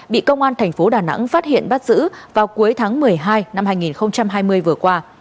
bị công an thành phố đà nẵng phát hiện bắt giữ vào cuối tháng một mươi hai năm hai nghìn hai mươi vừa qua